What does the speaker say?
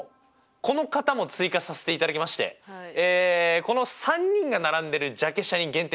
この方も追加させていただきましてこの３人が並んでるジャケ写に限定してみたいと思います。